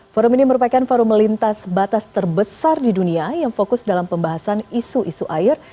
forum ini merupakan forum lintas batas terbesar di dunia yang fokus dalam pembahasan isu isu air